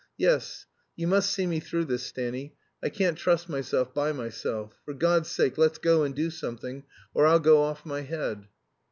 "Yes; you must see me through this, Stanny. I can't trust myself by myself. For God's sake let's go and do something, or I'll go off my head."